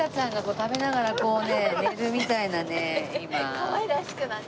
かわいらしくなって。